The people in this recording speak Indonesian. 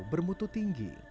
atau bermutu tinggi